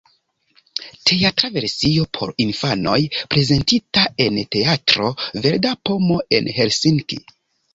Teatra versio por infanoj, prezentita en teatro Verda Pomo en Helsinki.